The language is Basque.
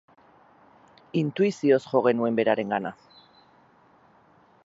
Intuizioz jo genuen berarengana.